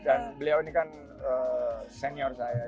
dan beliau ini kan senior saya